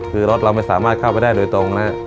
คือรถเราไม่สามารถเข้าไปได้โดยตรงนะ